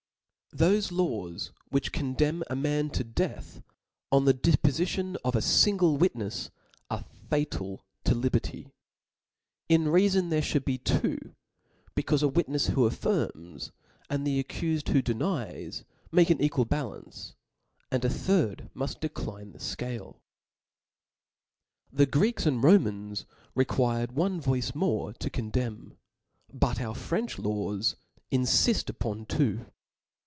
HOSE laws which condemn a man to death on the depofition of a fingle witnefs, are fa< tal. to liberty. In right reafon there (hould be two, becaufe a witnefs who affirms, and the accufed who denies, make an equal balance, and a third muft incline the fcale. nftid. The Greeks (•) and Romans (J required one cj^t.in yoicc tnore to condemn : but our French laws infift vam. upon two.